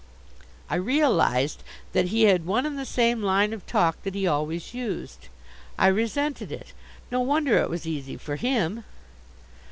I realized that he had one and the same line of talk that he always used. I resented it. No wonder it was easy for him.